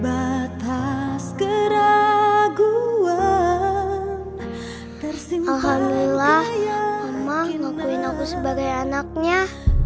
alhamdulillah mama ngakuin aku sebagai anaknya